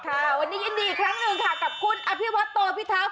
ค่ะวันนี้ยินดีครั้งหนึ่งกับคุณอภิพยาปัตตบิทากร